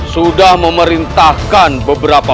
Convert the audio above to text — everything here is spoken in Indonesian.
sudah memerintahkan beberapa